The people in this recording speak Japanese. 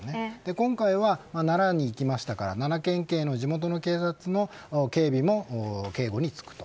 今回は奈良に行きましたから奈良県警の地元の警察の警備も警護につく。